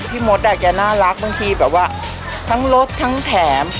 มดอ่ะแกน่ารักบางทีแบบว่าทั้งรถทั้งแถม